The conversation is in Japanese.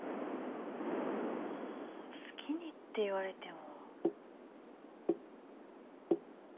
うん好きにって言われても。